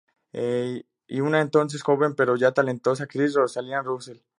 Y una entonces joven pero ya talentosa actriz: Rosalind Russell.